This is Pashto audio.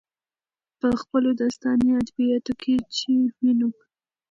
په خپلو داستاني ادبياتو کې چې وينو،